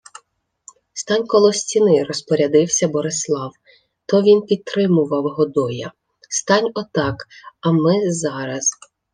— Стань коло стіни, — розпорядився Борислав — то він підтримував Годоя. — Стань отак, а ми зараз...